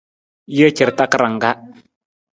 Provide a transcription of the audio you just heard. Jee car takarang ka.